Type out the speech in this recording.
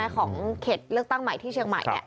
ของเขตเลือกตั้งใหม่ที่เชียงใหม่